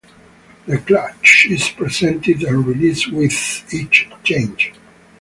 The clutch is pressed and released with each change.